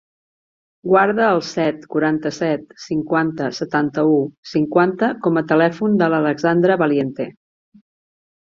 Guarda el set, quaranta-set, cinquanta, setanta-u, cinquanta com a telèfon de l'Alexandra Valiente.